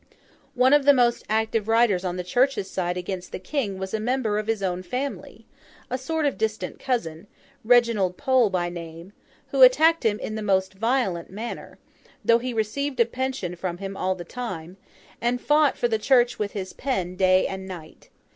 One of the most active writers on the Church's side against the King was a member of his own family—a sort of distant cousin, Reginald Pole by name—who attacked him in the most violent manner (though he received a pension from him all the time), and fought for the Church with his pen, day and night.